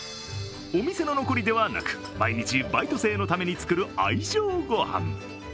お店の残りではなく毎日バイト生のために作る愛情ご飯。